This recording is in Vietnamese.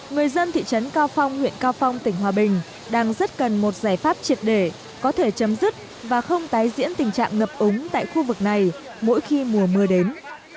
người dân thị trấn cao phong huyện cao phong tỉnh hòa bình đang rất cần một giải pháp triệt để có thể chấm dứt và không tái diễn tình trạng ngập úng tại khu vực này mỗi khi mùa mưa đến